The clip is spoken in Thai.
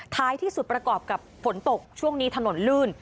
ท้ายที่สุดประกอบกับฝนตกช่วงนี้ถนนลื่น